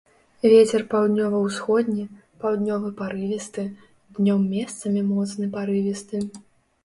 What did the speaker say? Вецер паўднёва-ўсходні, паўднёвы парывісты, днём месцамі моцны парывісты.